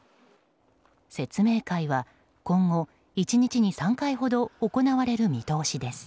説明会は今後１日に３回ほど行われる見通しです。